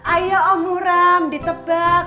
ayo om huram ditebak